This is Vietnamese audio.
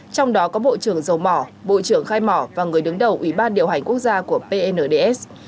trong đó có bộ trưởng dầu mỏ bộ trưởng khai mỏ và người đứng đầu ủy ban điều hành quốc gia của pnds